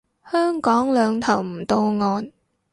香港兩頭唔到岸